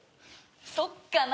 そっかな？